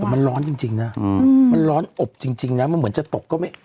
แต่มันร้อนจริงนะมันร้อนอบจริงนะมันเหมือนจะตกก็ไม่